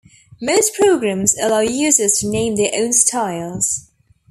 Most programs allow users to name their own styles.